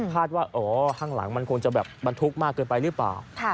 ว่าอ๋อข้างหลังมันคงจะแบบบรรทุกมากเกินไปหรือเปล่า